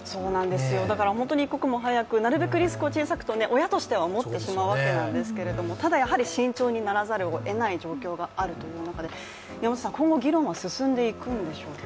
だから本当に一刻も早くなるべくリスクを小さくと親は思ってしまうんですけれどもただやはり慎重にならざるを得ない状況があるという中で今後議論は進んでいくんでしょうか？